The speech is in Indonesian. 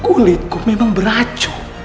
eh kulitku memang beracun